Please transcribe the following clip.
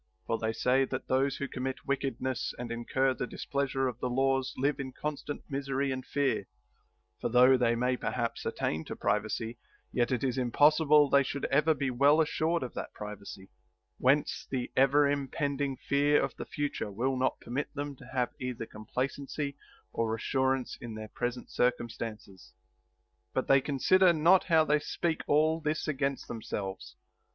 For they say that, those who commit wickedness and incur the displeasure of the laws live in constant misery and fear, for, though they may perhaps attain to privacy, yet it is impossible they should ever be well assured of that privacy ; whence the ever im pending fear of the future will not permit them to have either complacency or assurance in their present circum stances. But they consider not how they speak all this against themselves.